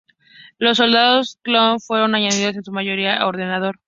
Los soldados clon fueron añadidos en su mayoría a ordenador.